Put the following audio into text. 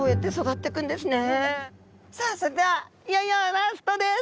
さあそれではいよいよラストです。